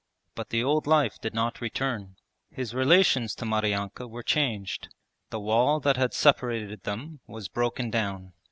But the old life did not return. His relations to Maryanka were changed. The wall that had separated them was broken down.